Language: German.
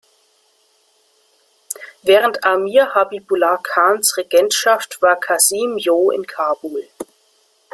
Während Amir Habibullah Khans Regentschaft war Qasim Jo in Kabul.